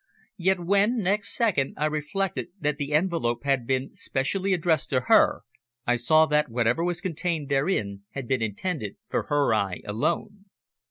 Yet when, next second, I reflected that the envelope had been specially addressed to her, I saw that whatever was contained therein had been intended for her eye alone.